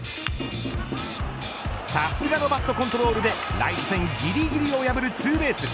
さすがのバットコントロールでライト線ぎりぎりを破るツーベース。